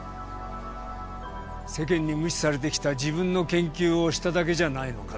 「世間に無視されてきた自分の研究をしただけじゃないのか」